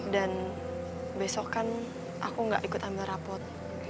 dan besok kan aku nggak ikut ambil rapot